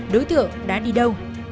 đối tượng đã đi đâu